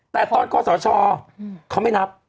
แต่ตอนข้อสชเขาไม่นับ